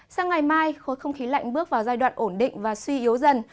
sang ngày mai khối không khí lạnh bước vào giai đoạn ổn định và suy yếu dần